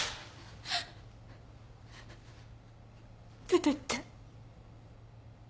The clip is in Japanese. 出てって。